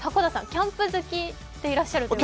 キャンプ好きでいらっしゃると。